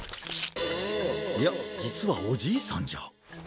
いやじつはおじいさんじゃ。